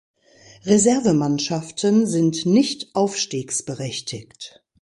Reservemannschaften sind nicht aufstiegsberechtigt.